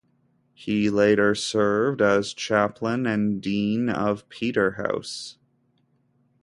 He later served as chaplain and dean of Peterhouse.